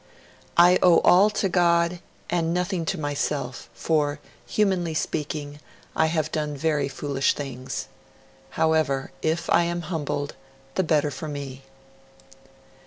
'I owe all to God, and nothing to myself, for, humanly speaking, I have done very foolish things. However, if I am humbled, the better for me.'